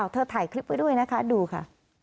เธอถ่ายคลิปไว้ด้วยดูค่ะ